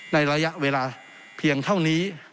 ระยะเวลาเพียงเท่านี้